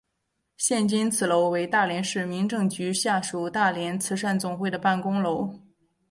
现今此楼为大连市民政局下属大连慈善总会的办公楼。